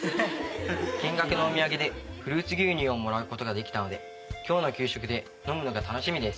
「見学のお土産でフルーツ牛乳をもらう事ができたので今日の給食で飲むのが楽しみです」